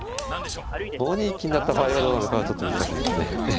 ５二金だった場合はどうなるかはちょっと難しいですね。